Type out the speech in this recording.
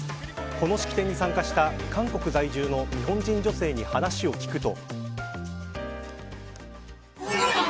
この式典に参加した韓国在住の日本人女性に話を聞くと。